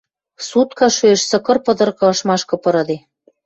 Сутка шоэш, сыкыр пыдыргы ышмашкы пырыде.